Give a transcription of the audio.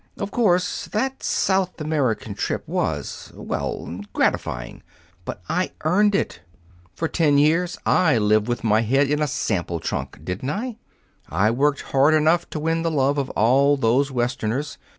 Of course, that South American trip was well, gratifying. But I earned it. For ten years I lived with head in a sample trunk, didn't I? I worked hard enough to win the love of all these Westerners.